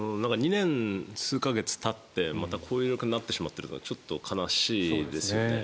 ２年数か月たってこういう状況になっているのはちょっと悲しいですよね。